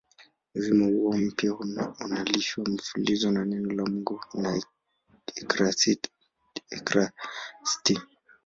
Uzima huo mpya unalishwa mfululizo na Neno la Mungu na ekaristi.